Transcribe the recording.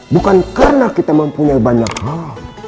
bukan karena kita mempunyai banyak hal